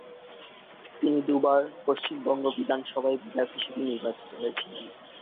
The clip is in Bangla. তিনি দুবার পশ্চিমবঙ্গ বিধানসভার বিধায়ক হিসেবে নির্বাচিত হয়েছিলেন।